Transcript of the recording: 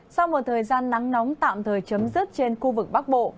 sau một thời gian nắng nóng tạm thời chấm dứt trên khu vực bắc bộ